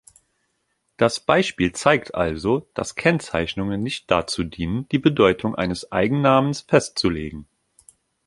Das Beispiel zeigt also, dass Kennzeichnungen nicht dazu dienen, die Bedeutung eines Eigennamens festzulegen.